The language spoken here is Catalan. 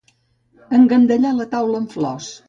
Engandallar la taula amb flors.